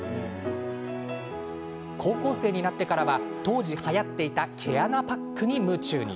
高校生になってからは当時、はやっていた毛穴パックに夢中に。